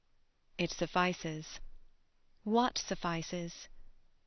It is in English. It suffices. What suffices?